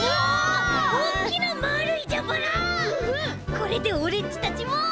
これでオレっちたちも。